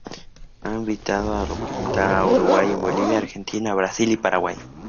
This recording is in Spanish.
Ha sido invitado representando a Uruguay en Bolivia, Argentina, Brasil y Paraguay.